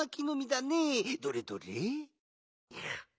どれどれ？